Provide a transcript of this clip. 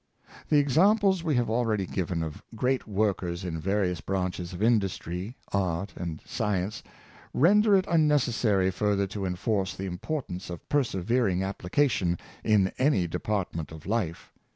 The examples we have already given of great work ers in various branches of industry, art, and science, render it unnecessary further to enforce the importance of persevering application in any department of life.